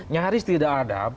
nyaris tidak ada